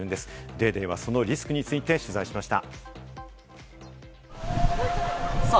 『ＤａｙＤａｙ．』はそのリスクについて取材しました。